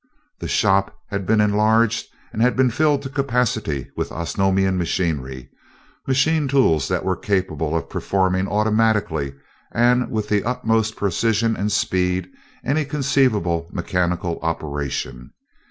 The "shop" had been enlarged and had been filled to capacity with Osnomian machinery; machine tools that were capable of performing automatically and with the utmost precision and speed any conceivable mechanical operation.